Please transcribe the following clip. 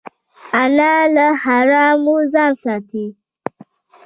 انا له حرامو ځان ساتي